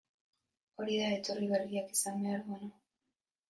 Hori da etorri berriak esan behar duena.